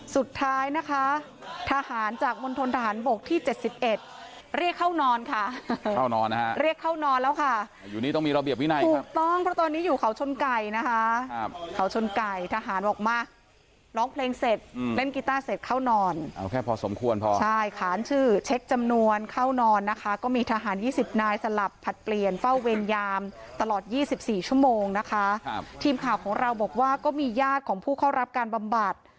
สุดท้ายนะคะทหารจากมณฑนทหารบกที่๗๑เรียกเข้านอนค่ะเข้านอนเรียกเข้านอนแล้วค่ะอยู่นี้ต้องมีระเบียบวินัยครับถูกต้องเพราะตอนนี้อยู่เขาชนไก่นะคะเขาชนไก่ทหารบอกมาร้องเพลงเสร็จเล่นกีต้าเสร็จเข้านอนเอาแค่พอสมควรพอใช่ขานชื่อเช็คจำนวนเข้านอนนะคะก็มีทหาร๒๐นายสลับผลัดเปลี่ยนเฝ้าเวรยามตลอด๒๔ชั่วโมงนะคะ